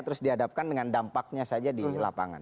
terus dihadapkan dengan dampaknya saja di lapangan